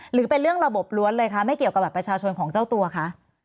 หรือเป็นเรื่องระบบล้วนเลยคะไม่เกี่ยวกับบัตรประชาชนของเจ้าตัวคะ